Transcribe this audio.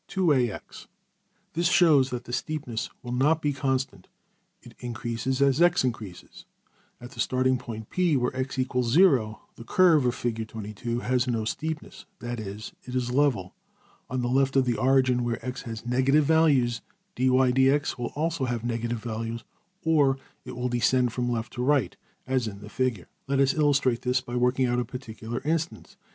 25in]{097b} This shows that the steepness will not be constant: it increases as $x$~increases. At the starting point~$P$, \DPPageSep{098.png}% where $x = 0$, the curve (\Fig) has no steepness that is, it is level. On the left of the origin, where $x$ has negative values, $\dfrac{dy}{dx}$~will also have negative values, or will descend from left to right, as in the Figure. Let us illustrate this by working out a particular instance.